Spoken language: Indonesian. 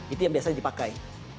itu yang biasanya dipakai